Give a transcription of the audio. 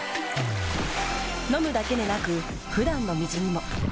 飲むだけでなく普段の水にも。